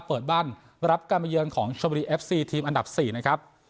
เปิดบั้นรับกรรมยืนของชมฟซีทีมอันดับสี่นะครับ